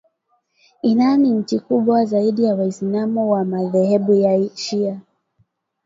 Iran nchi kubwa zaidi ya waislam wa madhehebu ya shia